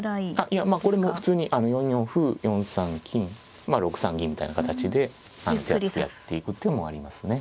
いやまあこれも普通に４四歩４三金６三銀みたいな形で手厚くやっていく手もありますね。